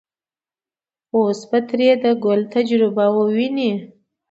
اوس به ترې د ګل تجربه وويني.